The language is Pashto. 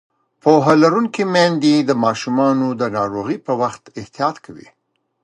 پوهه لرونکې میندې د ماشومانو د ناروغۍ پر وخت احتیاط کوي.